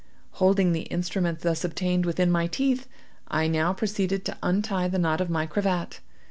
Holding the instrument thus obtained within my teeth, I now proceeded to untie the knot of my cravat.